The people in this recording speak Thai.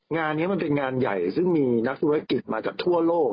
งานนี้มันเป็นงานใหญ่ซึ่งมีนักธุรกิจมาจากทั่วโลก